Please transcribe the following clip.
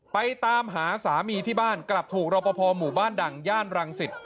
ไปตามหาสามีที่บ้านกลับถูกรอปภหมู่บ้านดังย่านรังสิต